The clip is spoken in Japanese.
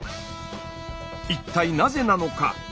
一体なぜなのか？